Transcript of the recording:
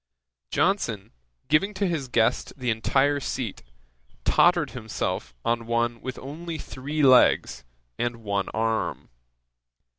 Johnson giving to his guest the entire seat, tottered himself on one with only three legs and one arm.